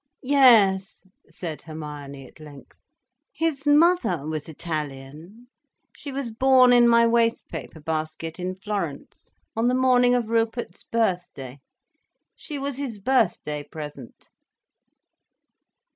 "Yes," said Hermione at length. "His mother was Italian. She was born in my waste paper basket in Florence, on the morning of Rupert's birthday. She was his birthday present."